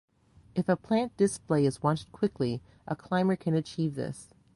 If a plant display is wanted quickly, a climber can achieve this.